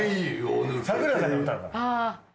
桜井さんが歌うから。